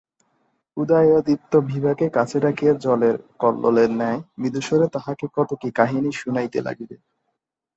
উদয়াদিত্য বিভাকে কাছে ডাকিয়া জলের কল্লোলের ন্যায় মৃদুস্বরে তাহাকে কত কি কাহিনী শুনাইতে লাগিলেন।